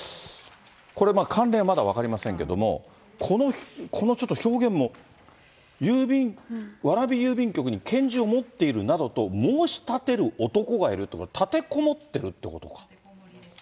これ、関連はまだ分かりませんけども、このちょっと表現も、蕨郵便局に拳銃を持っているなどと、申し立てる男がいるってこれ、立てこもってるっていうことか。